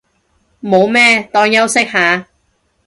冇咩，當休息下